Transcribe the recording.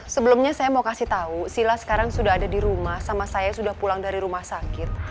sebelumnya saya mau kasih tahu sila sekarang sudah ada di rumah sama saya sudah pulang dari rumah sakit